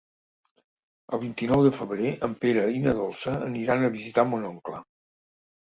El vint-i-nou de febrer en Pere i na Dolça aniran a visitar mon oncle.